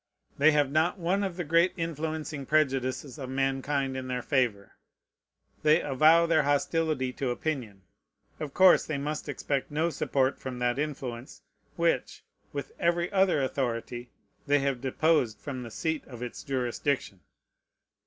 They have not one of the great influencing prejudices of mankind in their favor. They avow their hostility to opinion. Of course they must expect no support from that influence, which, with every other authority, they have deposed from the seat of its jurisdiction.